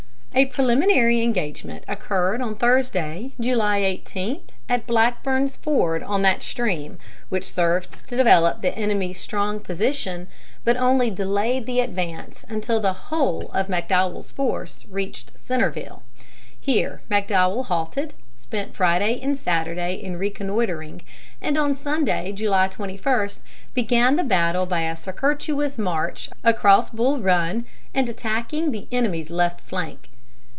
A preliminary engagement occurred on Thursday, July 18, at Blackburn's Ford on that stream, which served to develop the enemy's strong position, but only delayed the advance until the whole of McDowell's force reached Centreville Here McDowell halted, spent Friday and Saturday in reconnoitering, and on Sunday, July 21, began the battle by a circuitous march across Bull Run and attacking the enemy's left flank.